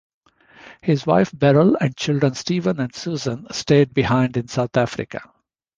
His wife Beryl and children Stephen and Susan stayed behind in South Africa.